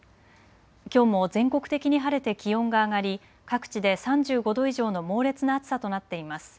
きょうも全国的に晴れて気温が上がり各地で３５度以上の猛烈な暑さとなっています。